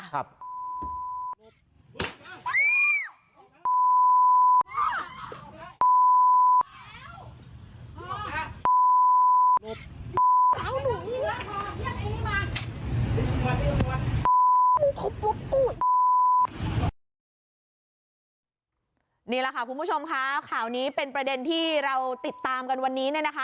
นิดนึงคุณผู้ชมค่ะข่าวนี้เป็นประเด็นที่เราติดตามกันวันนี้นะคะ